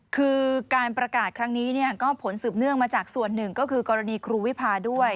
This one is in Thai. คือการประกาศครั้งนี้ก็ผลสืบเนื่องมาจากส่วนหนึ่งก็คือกรณีครูวิพาด้วย